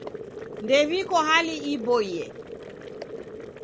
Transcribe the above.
Ndw'iko hali iboie.